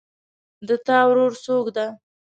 د تا ورور څوک ده